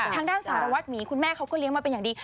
ทางด้านสารวัตรหมีคุณแม่เขาก็เลี้ยงมาเป็นอย่างดี